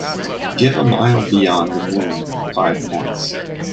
Give A Mile Beyond the Moon five points